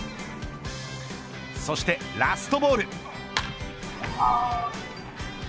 そしてラストボール。